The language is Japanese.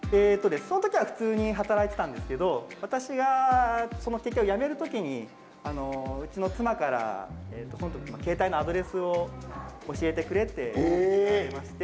その時は普通に働いてたんですけど私がそのケーキ屋を辞める時にうちの妻から「携帯のアドレスを教えてくれ」って言われまして。